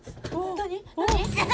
何！